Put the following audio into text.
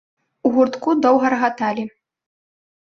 У гуртку доўга рагаталі.